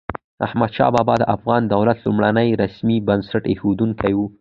احمد شاه بابا د افغان دولت لومړنی رسمي بنسټ اېښودونکی و.